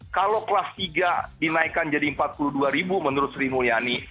kalau kelas tiga dinaikkan jadi rp empat puluh dua ribu menurut sri mulyani